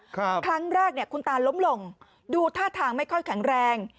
ครั้งแรกเนี่ยคุณตาล้มลงดูท่าทางไม่ค่อยแข็งแรง